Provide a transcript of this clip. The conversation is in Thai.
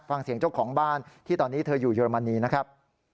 ฟังเสียงเจ้าของบ้านที่ตอนนี้เธออยู่เยอรมนีนะครับ